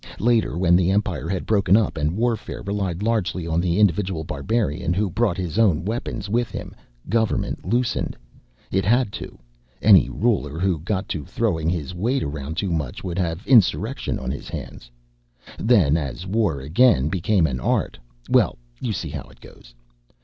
Later, when the Empire had broken up and warfare relied largely on the individual barbarian who brought his own weapons with him, government loosened. It had to any ruler who got to throwing his weight around too much would have insurrection on his hands. Then as war again became an art well, you see how it goes.